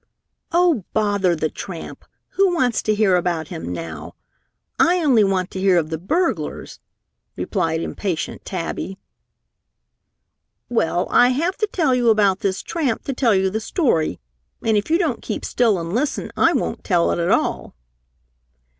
"Oh, bother the tramp! Who wants to hear about him now? I only want to hear of the burglars," replied impatient Tabby. "Well, I have to tell you about this tramp to tell you the story, and if you don't keep still and listen, I won't tell it at all."